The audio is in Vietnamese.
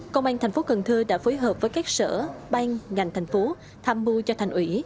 công an tp cần thơ đã phối hợp với các sở bang ngành thành phố tham mưu cho thành ủy